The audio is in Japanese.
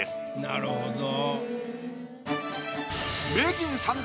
なるほど。